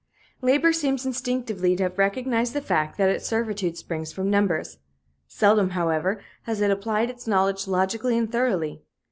Labor seems instinctively to have recognized the fact that its servitude springs from numbers. Seldom, however, has it applied its knowledge logically and thoroughly.